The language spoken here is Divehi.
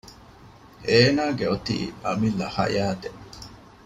އޭނާގެ އޮތީ އަމިއްލަ ޙަޔާތެއް